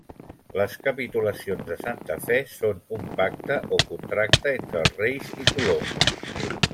Les Capitulacions de Santa Fe, són un pacte o contracte entre els reis i Colom.